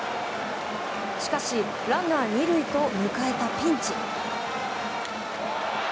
しかし、ランナー２塁と迎えたピンチ。